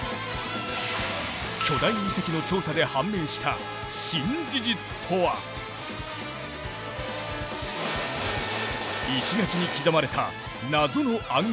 巨大遺跡の調査で判明した新事実とは⁉石垣に刻まれた謎の暗号